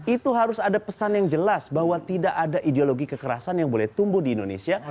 itu harus ada pesan yang jelas bahwa tidak ada ideologi kekerasan yang boleh tumbuh di indonesia